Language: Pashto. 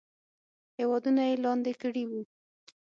هیوادونه یې لاندې کړي وو.